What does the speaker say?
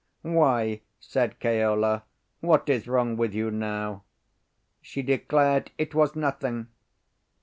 "Why," said Keola, "what is wrong with you now?" She declared it was nothing.